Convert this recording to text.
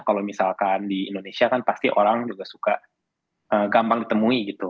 kalau misalkan di indonesia kan pasti orang juga suka gampang ditemui gitu